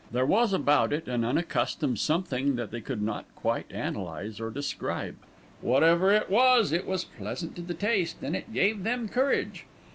There was about it an unaccustomed something that they could not quite analyse or describe. Whatever it was, it was pleasant to the taste, and it gave them courage.